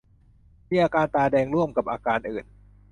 มีอาการตาแดงร่วมกับอาการอื่น